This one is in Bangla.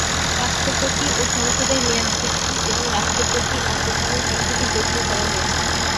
রাষ্ট্রপতি ও সংসদের মেয়াদ বৃদ্ধি এবং রাষ্ট্রপতি অপসারণ পদ্ধতি জটিল করা হয়েছিল।